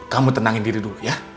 kamu tenangin diri dulu ya